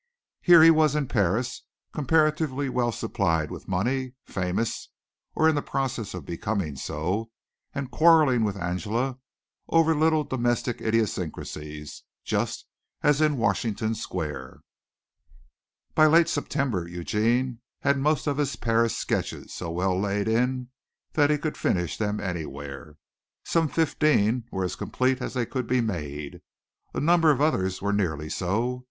Here he was in Paris, comparatively well supplied with money, famous, or in process of becoming so, and quarreling with Angela over little domestic idiosyncrasies, just as in Washington Square. By late September Eugene had most of his Paris sketches so well laid in that he could finish them anywhere. Some fifteen were as complete as they could be made. A number of others were nearly so.